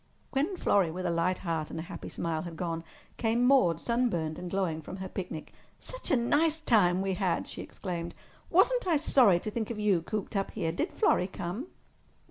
When Florrie, with a light heart and a happy smile, had gone, came Maude, sunburned and glowing from her picnic. "Such a nice time as we had!" she exclaimed. "Wasn't I sorry to think of you cooped up here! Did Florrie come?"